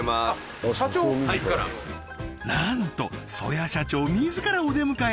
なんと征矢社長自らお出迎え